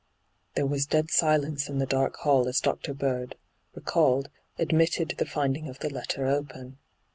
There was a dead silence in the dark hall as Dr. Bird, recalled, admitted the finding of the letter open.